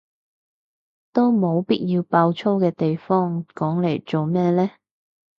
都冇必要爆粗嘅地方講嚟做咩呢？